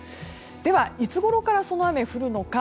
では、いつごろからその雨、降るのか。